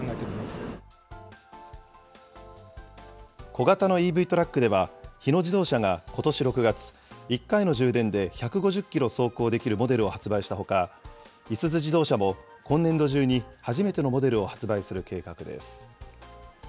小型のＥＶトラックでは、日野自動車がことし６月、１回の充電で１５０キロ走行できるモデルを発売したほか、いすゞ自動車も今年度中に初めてのモデルを発売する計画です。